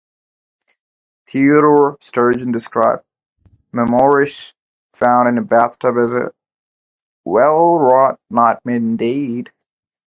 Theodore Sturgeon described "Memoirs Found in a Bathtub" as "A well-wrought nightmare indeed.